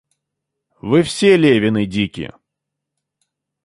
Вы все Левины дики.